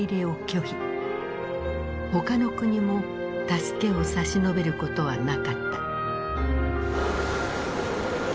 他の国も助けを差し伸べることはなかった。